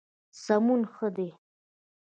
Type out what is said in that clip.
سمون ښه دی.